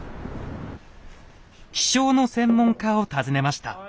気象の専門家を訪ねました。